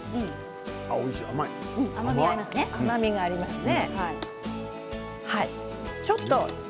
甘みがありますね。